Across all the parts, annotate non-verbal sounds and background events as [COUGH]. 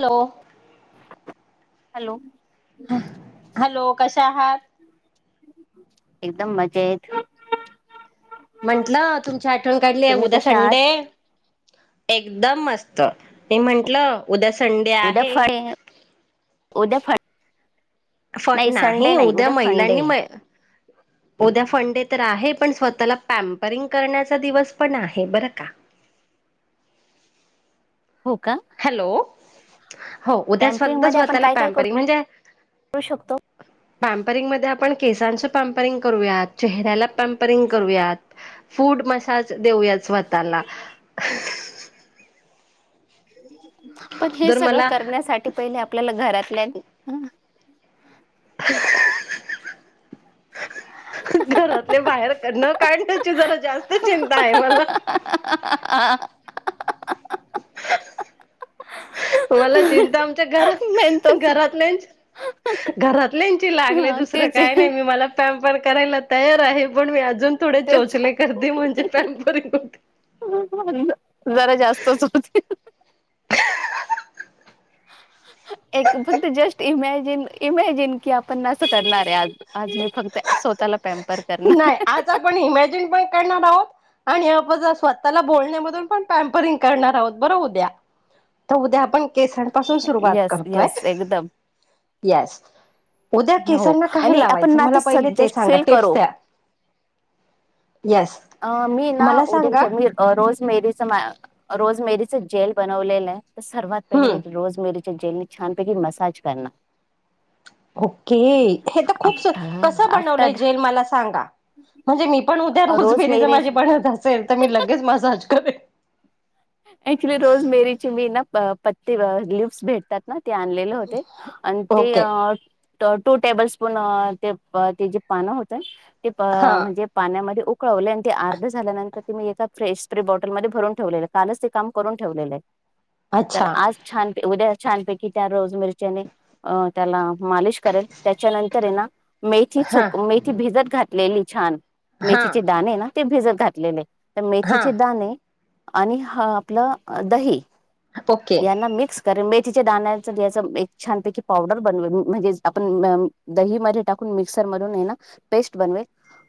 Hello! Hello hello कशा आहात? एकदम मजेत. म्हंटलं तुमची आठवण काढली आहे. तुम्ही उद्या कशा आहात संडे हे. एकदम मस्त मी म्हंटलं उद्या संडे आहे उदफळ उदफळ नाही उद्या फंडे महिलांनी आहे. म उद्या फंडे तर आहे पण स्वतःला पॅम्परिंग करण्याचा दिवस पण आहे बरं का! [INAUDIBLE] हो का? हॅलो हो उद्याच कॅम्पिंग फक्त मध्ये आपण स्वतःला काय काय पॅम्परिंग करू म्हणजे शकतो पॅपरिंगमध्ये आपण केसांच पॅम्परिंग करूया. चेहऱ्याला पपरिंग करूया, फूड मसाज देऊया स्वतःला. पण हे जर सगळं मला करण्यासाठी पहिले आपल्याला घरातल्या [UNINTELLIGIBLE] घरातले बाहेर काढून [UNINTELLIGIBLE] न काढण्याची जरा जास्त चिंता आहे मला. [UNINTELLIGIBLE] मला चिंता आमच्या मेन घरात तोच घरातल्यांची घरातल्यांची लागले हा दुसरं तेच काय आहे नाही मी मला पॅम्पर करायला तयार आहे, पण मी अ अजून थोडे तेच चोचले करते म्हणजे पॅमरिंग होते. म्हणून म्हटलं जरा जास्तच होतंय. एक फक्त जस्ट इमेज इमेज इमॅजिन की आपण असं करणार आहे आज. आज मी फक्त स्वतःला प नाही आज आपण इमॅजिन पण करणार आहोत आणि आपण स्वतःला बोलण्यामधून पण पॅमपरिंग करणार आहोत बर उद्या. तर उद्या आपण केसांपासून सुरुवात येस करतोय. येस एकदम येस. उद्या हो केसांना काही आणि आपण लावायचं ना मला पहिले तर ते जस्ट सांगा फील टिप्स करू द्या. येस अ मी ना मला सांगा उद्या मी रोज मेरीच रोज मेरी जेल बनवलेलं आहे, तर सर्वात पहिली हम्म मी ती रोज मेरी जेली छान पैकी मसाज करणार. ओके हे तर खूप कसं आफ्टर बनवलंय आफ्टर जेल मला सांगा. म्हणजे मी पण उद्या त्या रोज रोजबेरीच मेरी माझी बनत असेल, तर मी लगेच मसाज करेल. ऍक्च्युली रोज मेरीची मी ना पत्ती ल्युप्स भेटतात. ना ते आणलेले होते आणि ते ओके. अ टू टेबल स्पून अ ते ते जे पानं होतं ते हा अ म्हणजे पाण्यामध्ये उकळवले आणि ते अर्ध झाल्यानंतर ते मी एका फ्रश स्प्रे बॉटलमध्ये भरून ठेवले. कालच ते काम करून ठेवलेलं आहे. तर अच्छा आज छान उद्या छानपैकी त्या रोज मेरीच्याने अ त्याला मालिश करेल त्याच्यानंतर येना मेथी हा चक मेथी भिजत घातलेली छान. हा मेथीचे दाणे ना ते भिजत घातलेले तर हा मेथीचे दाणे आणि हा आपलं दही ओके यांना मिक्स करीन ब मेथीच्या दाण्याचा एक छानपैकी पावडर [UNINTELLIGIBLE] बन म्हणजे आपण दही म टाकून मिक्सर मधून हाय ना पेस्ट बनवेन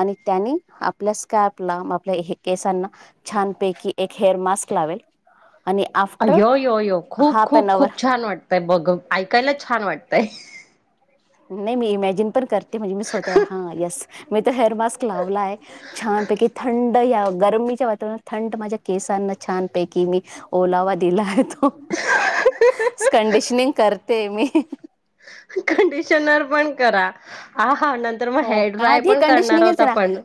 आणि त्यांनी आपल्या स्कॅपला आपल्या केसांना छानपैकी एक हेअर मास्क लावेल. आणि आफ्टर य यो यो खूप हाफ खूप, अन अवर खूप, छान वाटतंय बघ ऐकायला छान वाटतं. तेय नाही मी इमॅजिन पण करते म्हणजे मी स्वतःवर हा येस मी हेअर मास्क लावला आहे छानपैकी थंड या गरममीच्या वातावरणात थंड माझ्या केसांना छानपैकी मी ओलावा दिला आहे. कंडिशनिंग करते मी कंडिशनर पण करा आ. हो आधी कंडिशनरी करा आपण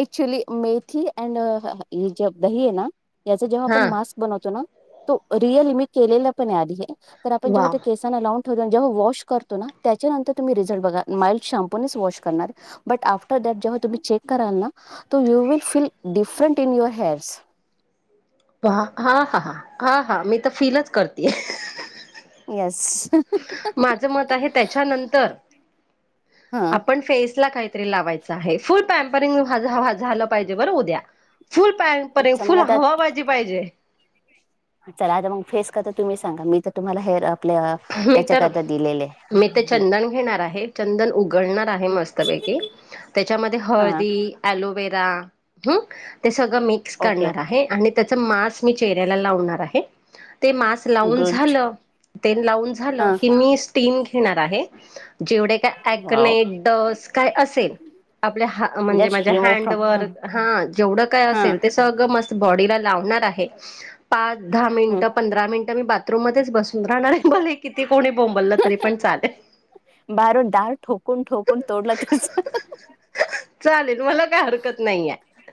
ऍक्च्युली मी. ही अड ह जे दही आहे, ना याच जेव्हा हा आपण मास बनवतो ना तो रिअल मी केलेला पण आधी हे आपण वा. जेव्हा केसना लावून जेव्हा वॉश करतो ना त्याच्यां नंतर तुम् रिझल्ट बघा माईल्ड शेम्पोनेच वॉश करतो. आ्टर द जेव्हा तुम्ही चेक कराल ना you'll feel different in your hairs हा हा ह हा हा मी तर फीलीलच करतेय. येस माझ मत आहे, त्याच्यानंतर हां आपण फेसला काय? तेल लावायचा आहे, फुल पपरंग हा झा हा झा पाहिजे बर उद्या. फुल पपर्य अच्छा मग फुल आता हवाबाजी पाहिजे. चला आता मग फेस करता तुम्ही सांगा मी तर तुम्हाला हेर आपल्या मी तर याच्याकरता दिलेले आहे. मी ते चंदन घेणार आहे चंदन उघडणार आहे मस्तपैकी त्याच्यामध्ये हां हळदी हळदी एलोवेरा हू ते सगळं मिक्स ओके करणार आहे. आणि ते स मास मी चेहऱ्याला लावणार आहे, ते मास लाून गुड झाल ते. लावून झालं हां की, मी स्टीम घेणार आहे. जेवढं का एक्का वाव नेक्स्टड्स असेल आपल्या म्हणजे जस्ट माझ्या रिमूव हड फ्रॉम व हा जेवढं काय ह असेल ते सगळं मस्त बॉडी लावणार आहे, पाच दहा मिनिट पंधरा मिनट मी बाथरूम मध्येच बसून राहणार आहे. बले किती कोणी बोंबललं तरी पण चालेल. बाहेरून डाळ ठोकून ठोकून तोडला त्याच चालेल मला काय हरकत नाही आहे.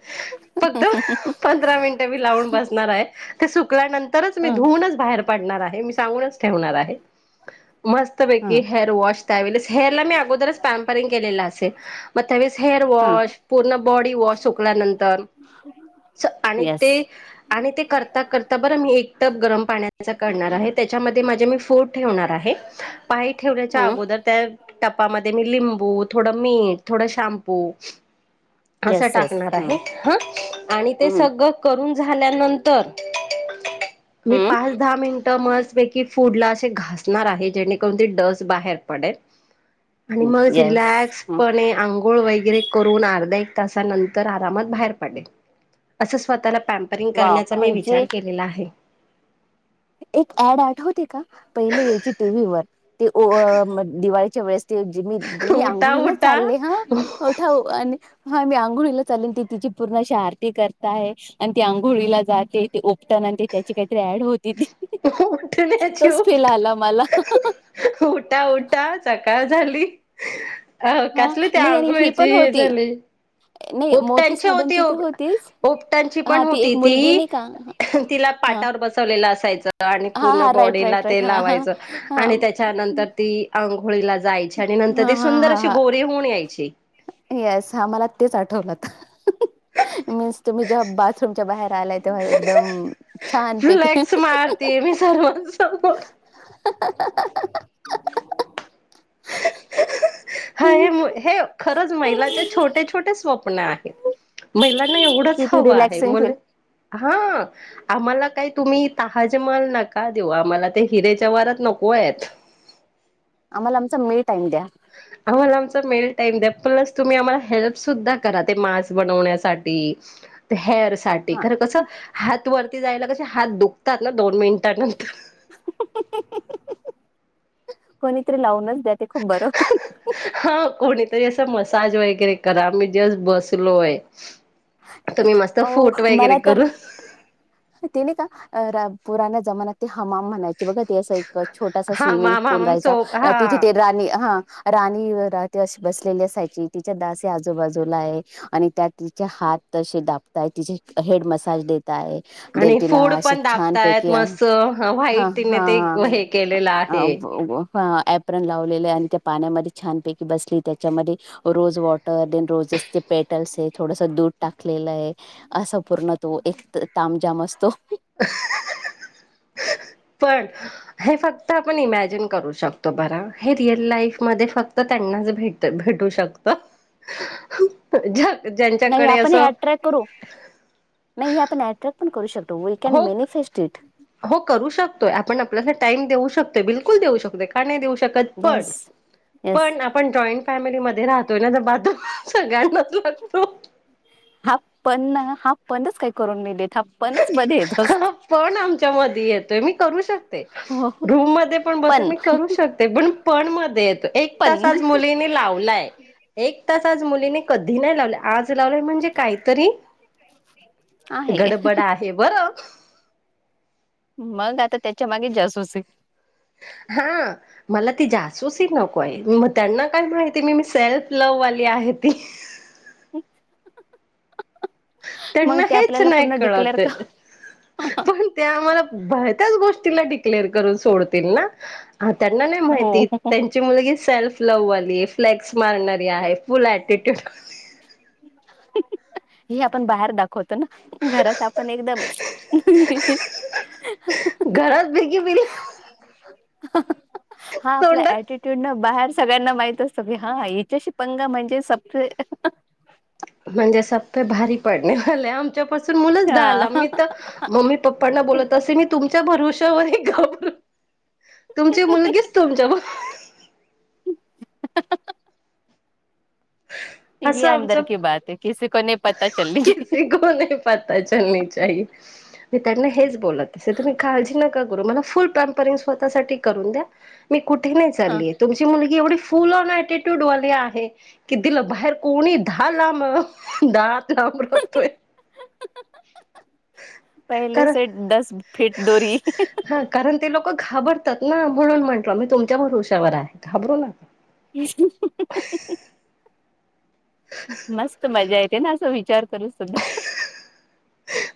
फक्त पंधरा मिनटे मी लावून बसणार आहे, ते सुकल्यानंतरच मी धुनच बाहेर पडणार आहे मी सांगूनच ठेवणार आहे. मस्त बैकी ह हेअर वॉश त्यावेस हेअरला मी अगोदरच. त परीन केलेलं असेल त्यावेळेस हेअर वॉश पूर्ण बॉडी वॉश सुकल्यानंतर. स आणि येस ते आणि ते करता, करता बरं मी एक टप गरम पाण्याचा. करणार आहे, त्याच्यामध्ये माझे मी फूड ठेवणार आहे, पाय ठेवण्याच्या हम्म अगोदर त्या टपामध्ये मी लिंबू थोडं मीठ थोडं शॅम्पू अस येस येस टाकणार हम्म आहे, ह आणि ते हम्म सगळं करून झाल्यानंतर मी हम्म पाच दहा मिनट म फूड ला असे घासणार आहे, जेणेकरून ती डस बाहेर पडेल. आणि मग येस रिलॅक्सपणे आंघोळ वगैरे करून अर्ध एक तासानंतर आरामात बाहेर पडे अस स्वतः पॅम्परिंग वाव करण्याचा मी विचार म्हणजे केलेला आहे. एक ऍड आठवते का पहिले यायची टीव्ही वर ते ओवाळ म दिवाळीच्या वेळेस ते मी मी उठा आंघोळीला उठा चालले ह हठाऊ आणि हा मी आंघोळीला चालन त तिची पूर्ण श आरती करता आहे, आणि ती आंघोळीला जाते ते ओपटन आणि त्याची काहीतरी ॲड होती. उठण्याची तोच फील उठ आला मला उठा उठा सकाळ. झाली अ हा कसली ते नाही आणि ही आंघोळीची पण वेळ हे होती झाली. नाही मोती ओपटांची होती साबणची ओ तर होतीच ओपटांची हा पण होती एक मुलगी ती नाही का तिला पा हा टावर बसवलेलं असायच आणि हा पूर्ण हा राईट बॉडीला राईट राईट ते हा हा लावायच हा आणि त्याच्यानंतर ती अ होळी ला जायचे आणि नंतर हा ते हा सुंदर हा अशी हा गोरी होऊन यायचे. येस हा मला तेच आठवलं मीन्स तुम्ही जेव्हा बाथरूमच्या बाहेर. लाय ते मझ एकदम छान पैकी फ्लेक्स मारते मी सर्वांसमोर [UNINTELLIGIBLE] हाय हे म हे खरंच महिलाचे छोटे छोटे स्वप्न आहेत. महिलांना एवढंच किती हवं आहे रिलॅक्सिंग मुले फील हा आम्हाला काही तुम्ही तहाज मल नका देऊ आम्हाला ते हिरेच्या वारात नको आहेत. [UNINTELLIGIBLE] आम्हाला आमचा मे टाईम द्या. आम्हाला आमचा मेल टाईम द्या प्लस तुम्ही आम्हाला हेल्प सुद्धा करा मास बनवण्यासाठी ते हेअर. साठी हा खर कस हात वरती जायला कस हात दुखतात ना दोन मिनिटनंतर कोणीतरी लावूनच द्या ते खूप बरं हा कोणी तरी असा मसाज वगैरे करा आम्ही जस्ट बसलोय. तुम्ही मस्त अ फूट वगैरे मला तर करू तने का? पुरा जमानत ते हमाम म्हणायचे बघा ते असं एकच- छोटासा हा swimming ma'am pool ma'am so हा राहायचा तिथे ते राणी हा राणी राहते अशी बसलेली असायची तिच्या दासी ह आजूबाजूला आहे आणि त्यात. चे हात ते दापताय तिचे हेड मसाज देत. आणि तिला फूड असं पण दाबतायत छानपैकी मस्त हा व्हाईट तिने ते हा. हे केलेलं आहे ह. ए परन लावलेले आणि त्या पाण्यामध्ये छानपैकी बसली त्याच्यामध्ये rose water then rose. Just petal स. थोडस दूध टाकलेलं आहे असं पूर्ण तो एक तामजाम असतो. ह्ह्ह्ह. पण हे फक्त आपण इमॅजिन करू शकतो ब हे रिअल लाईफ म फक्त. मनजे भेटू शकत. नाही ज्यांच्याकडे आपण हे असं. अट्रॅक्ट करू नाही हे आपण अट्रॅक्ट पण करू शकतो वी हो कॅन मॅनिफेस्ट इट हो करू शकतोय आपण आपल्यासाठी. टाइम देऊ शकतोय बिलकुल देऊ शकत का नाही देऊ शकत पण येस येस पण आपण ज. फॅमिलीमध्येध्ये राहतोय ना तर बाजू सगळ्यांना. हाफ पण हाफ पणच काय करून मी देत. हा प्पन मध्ये येतत. हा पण आमच्या मधी येतोय मी करू शकते रूम मध्ये पण बसे मी करू शकते पण. पण मध्ये येतो एक तास पण आज मुलीनी लावलाय. [INAUDIBLE] ता आज मुलीने कधी नाही लावले आज लावले म्हणजे काहीतरी आहे गड. बडा आहे बर. मग आता त्याच्या मागे जासू अस [UNINTELLIGIBLE] हा मला ती जासूस नको आहे मग त्यांना काय माहिती मी मी सेल्फ लव्हवाली आहे. हप. च त्यांना हेच नाही डिक्लेअर कळते का पण ते आम्हाला. त्या गोष्टी डिक्लेअर करून सोडतील ना. हा त्यांना नाही माहिती हो त्यांची मुलगी सेल्फ लव्ह आली फ्लेक्स मारणारी आहे फुल ऍटिट्यूड हे आपण बाहेर दाखव होतो ना घरात आपण एकदम बडी हा आपला अटिट्यूड बाहेर सगळ्यांना माहित असतोी हा याच्याशी पंगा म्हणजे स म्हणजे सबपे भारी पडने वले आम पासून मुलं हा झाला मी मम्मी पपांना बोलत असेल मी तुमच्या च्या भरवशावर एक गाब तुमची मुलगीच तुमच्या हा हा य अंदर की बाात ह कीसी को न कसी को नाही पता चलणे चाहिए मितना हेज मी त्यांना बोलत आहे तुम्ही काळजी नका करू मला फुल पम्या पर्यंत करून द्या कुठे नाही हा चालली आहे तुमची मुलगी एवढी फुल एटीट्यूड वाली आहे की दिलं बाहेर कोणी दा ला म नामपतय पहिले से दस फेट दोरी हा कारण ते लोक घाबरतात ना म्हणून म्हटलं मी तुमच्या भर उशावर आहे घाबरू नका हा हा मस्त मजा येते ना असं विचार करू सुद्धा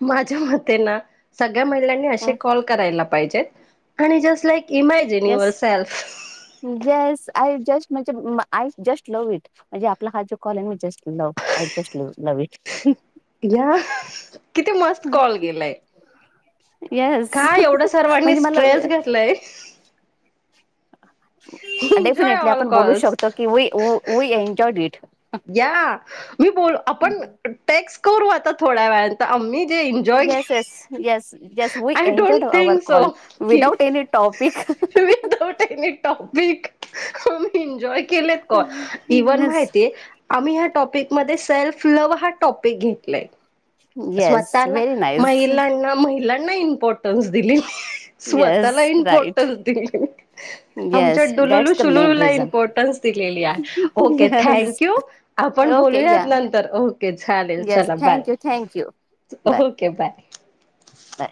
माझ्या मते ना सगळ्या महिलांनी असे कॉल करायला पाहिजेत आणि just like imagine your yes self yes I just म्हणजे आई जस्ट लव्ह इट म्हणजे आपला हा जो call just love a just love it या किती मस्त कॉल गेलाय येस काय एवढं सर्वांनी म्हणजे मला स्ट्रेस घेतलंय एन्जॉय डेफिनेटली ऑल आपण बोलू कॉल्स शकतो की व एनजॉइड इट या मी बोल आपण टॅक्स करू आता थोड्या वेळ आम्मी yes yes yes yes we I don't enjoyed our think call सोफ की without any topic without any topic म एन्जॉय केलेत का इव्हन येस माहिती आम्ही ह्या टॉपिकमध्येध्ये सेल्फ लव्ह हा टॉपिक घेतलाय येस स्वतःला व्हेरी नाईस महिलांना महिलांना इम्पॉर्टन्स दिली स्वतःला येस राईट इम्पॉर्टन्स दिले आमच्या येस डुलुलू दॅट्स द मेन शुलुलूला रिझन इम्पॉर्टन्स दिले ओके येस थँक यू आपण ओके बोलूयात या नंतर ओके चालेल चला बाय ँकू thank you bye okay bye bye